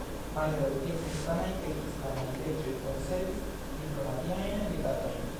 Malgraŭ tio, kristanaj kaj islamaj reĝoj konservis diplomatiajn rilatojn.